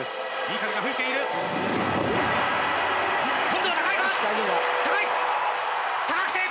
今度は高いか！？